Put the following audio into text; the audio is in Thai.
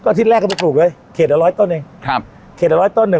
ก็อาศจิตแรกกันไปปูกเลยเขตละร้อยต้นเองครับเขตละร้อยต้น